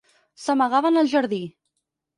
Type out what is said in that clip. S'amagaven al jardí.